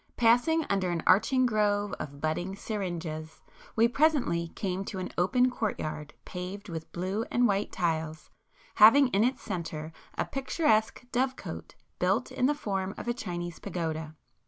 Passing under an arching grove of budding syringas, we presently came to an open court yard paved with blue and white tiles, having in its centre a picturesque dove cote built in the form of a Chinese pagoda.